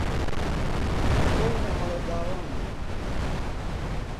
ئەکەونە هەلە داوان